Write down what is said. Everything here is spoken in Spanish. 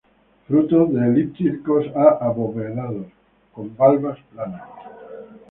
Frutos de elípticos a obovados, con valvas planas.